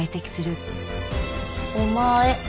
「お前」